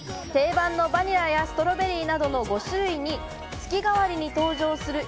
定番のバニラやストロベリーなどの５種類に、月替わりに登場する